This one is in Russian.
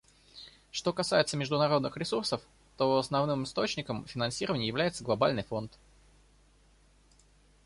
Что касается международных ресурсов, то основным источником финансирования является Глобальный фонд.